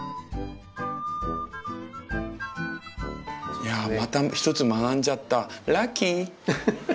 いやまた１つ学んじゃったラッキー！